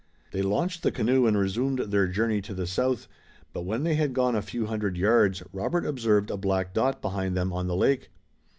They launched the canoe and resumed their journey to the south, but when they had gone a few hundred yards Robert observed a black dot behind them on the lake.